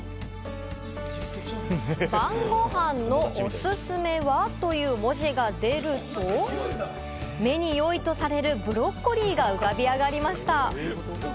さらに「ばんごはんのオススメは」という文字が出ると、目に良いとされるブロッコリーが浮かび上がりました。